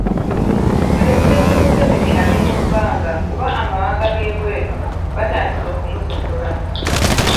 Pulezidenti Museveni ali mu bbanga kuba amawanga g'ebweru batandise okumusosola.